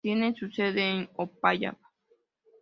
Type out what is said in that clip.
Tiene su sede en Opava.